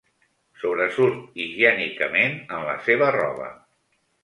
Sobresurt higiènicament en la seva roba.